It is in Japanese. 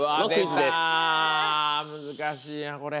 難しいなこれ。